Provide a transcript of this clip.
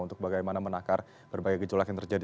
untuk bagaimana menakar berbagai gejolak yang terjadi